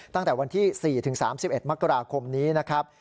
ตั้งแต่วันที่๔ถึง๓๑มกราคมนี้นะครับ